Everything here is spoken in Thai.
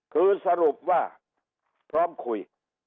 คือสรุปว่าพร้อมคุย